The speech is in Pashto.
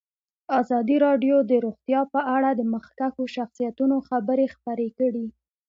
ازادي راډیو د روغتیا په اړه د مخکښو شخصیتونو خبرې خپرې کړي.